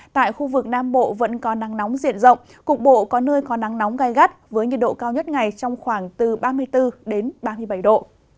tại khu vực nam bộ vẫn có nắng nóng diện rộng cục bộ có nơi có nắng nóng gai gắt với nhiệt độ cao nhất ngày trong khoảng từ ba mươi bốn ba mươi bảy độ